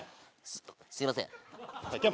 すすいません